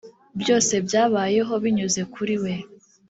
byose byabayeho binyuze kuri we